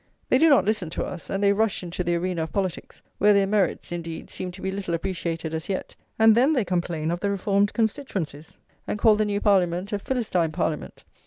They do not listen [lviii] to us, and they rush into the arena of politics, where their merits, indeed, seem to be little appreciated as yet; and then they complain of the reformed constituencies, and call the new Parliament a Philistine Parliament.